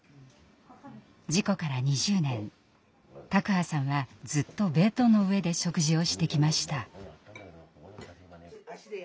事故から２０年卓巴さんはずっとベッドの上で食事をしてきました。